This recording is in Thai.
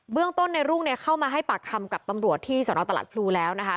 เรื่องต้นในรุ่งเนี่ยเข้ามาให้ปากคำกับตำรวจที่สนตลาดพลูแล้วนะคะ